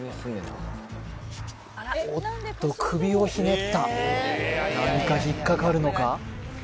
おっと首をひねった何か引っかかるのか？